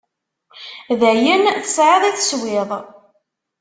D ayen tesɛiḍ i teswiḍ.